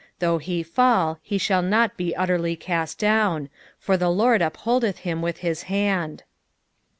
24 Though he fall, he shall not be utterly cast down : for the Lord upholdeth hhn with his hand.